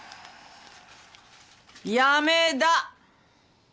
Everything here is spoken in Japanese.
やめだ。